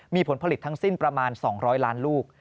มีผลผลิตทั้งสิ้นประมาณ๒๐๐ล้านลูก